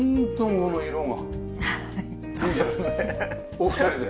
お二人で？